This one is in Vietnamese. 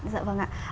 dạ vâng ạ